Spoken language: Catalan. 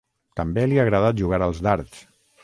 També li agrada jugar als dards.